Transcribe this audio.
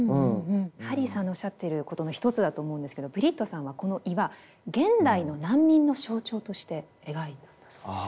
ハリーさんのおっしゃっていることの一つだと思うんですけどブリットさんはこの岩「現代の難民の象徴」として描いたんだそうです。